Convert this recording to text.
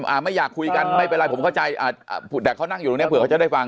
อ่าไม่อยากคุยกันไม่เป็นไรผมเข้าใจอ่าแต่เขานั่งอยู่ตรงเนี้ยเผื่อเขาจะได้ฟัง